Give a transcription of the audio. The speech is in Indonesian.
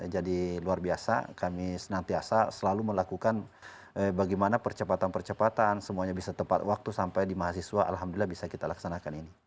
jadi luar biasa kami senantiasa selalu melakukan bagaimana percepatan percepatan semuanya bisa tepat waktu sampai di mahasiswa alhamdulillah bisa kita laksanakan ini